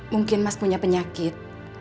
mungkin mas punya penyakit